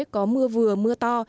có mưa vừa mưa to